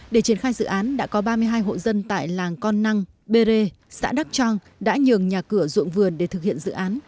để triển khai dự án đã có ba mươi hai hộ dân tại làng con năng bê rê xã đắk trang đã nhường nhà cửa ruộng vườn để thực hiện dự án